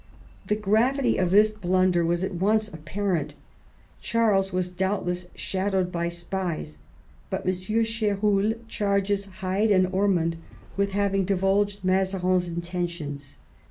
The gravity of this blunder was at once apparent. Charles was doubtless shadowed by spies, but M. Ch^ruel charges Hyde and Ormond with having divulged Mazarin's intentions.